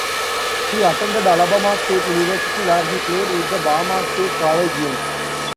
He attended Alabama State University, where he played with the Bama State Collegians.